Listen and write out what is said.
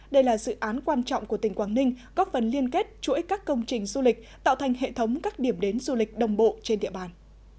đây là dự án quan trọng của tỉnh quảng ninh góp phần liên kết chuỗi các công trình du lịch tạo thành hệ thống các điểm đến du lịch đồng bộ trên địa bàn